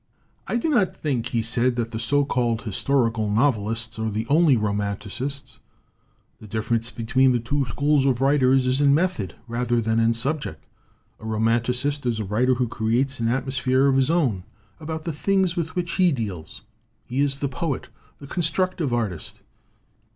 "I do not think," he said, "that the so called historical novelists are the only romanticists. The difference between the two schools of writers is in method, rather than in subject. "A romanticist is a writer who creates an atmosphere of his own about the things with which he deals. He is the poet, the constructive artist.